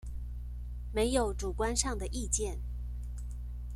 沒有主觀上的意見